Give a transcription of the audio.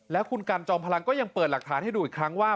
แล้วคุณกันจอมพลังก็ยังเปิดหลักฐานให้ดูอีกครั้งว่า